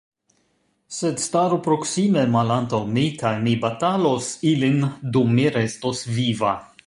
Sed staru proksime malantaŭ mi, kaj mi batalos ilin dum mi restos viva.